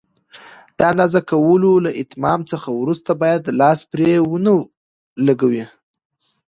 د اندازه کولو له اتمام څخه وروسته باید لاس پرې ونه لګوئ.